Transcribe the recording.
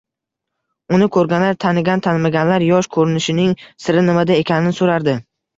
Uni koʻrganlar, tanigan-tanimaganlar yosh koʻrinishining siri nimada ekanini soʻrardi